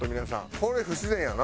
これ不自然やな。